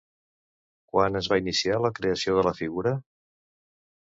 Quan es va iniciar la creació de la figura?